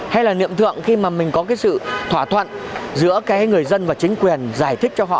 hay là niệm thượng khi mà mình có cái sự thỏa thuận giữa cái người dân và chính quyền giải thích cho họ